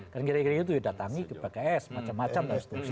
kan gini gini datangi ke pks macam macam